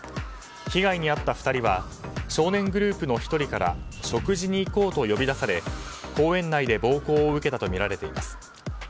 被害に遭った２人は少年グループの１人から食事に行こうと呼び出され公園内で暴行を受けたとみられています。